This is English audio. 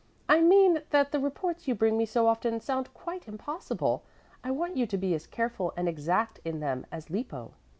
"I mean that the reports you bring me so often sound quite impossible. I want you to be as careful and exact in them as Lippo."